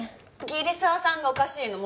桐沢さんがおかしいの。